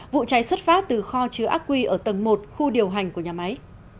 vụ cháy xuất phát từ kho chứa ác quy ở tầng một khu điều hành của nhà máy